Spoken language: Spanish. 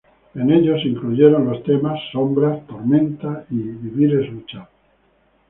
En ellos se incluyeron temas "Sombras", "Tormenta" y "Vivir es luchar".